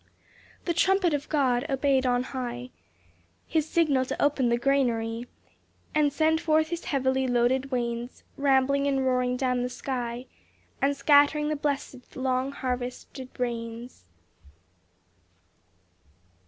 The trumpet of God, obeyed on high, His signal to open the granary And send forth his heavily loaded wains Rambling and roaring down the sky And scattering the blessed, long harvested rains.